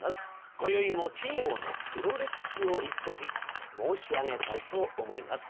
こよいも企業の黒歴史を一席申し上げたいと思います。